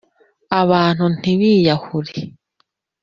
abantu ntibiyahure